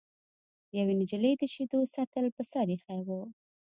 یوې نجلۍ د شیدو سطل په سر ایښی و.